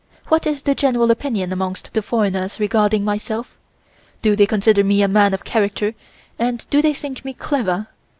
What is the general opinion amongst the foreigners regarding myself? Do they consider me a man of character and do they think me clever?